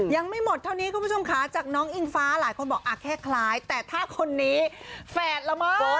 ยังไม่หมดเท่านี้คุณผู้ชมค่ะจากน้องอิงฟ้าหลายคนบอกแค่คล้ายแต่ถ้าคนนี้แฝดละมั้ง